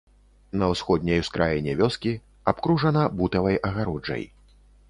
На ўсходняй ускраіне вёскі, абкружана бутавай агароджай.